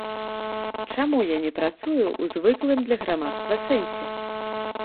Чаму я не працую ў звыклым для грамадства сэнсе?